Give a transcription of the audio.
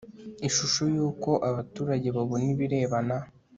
ishusho y'uko abaturage babona ibirebana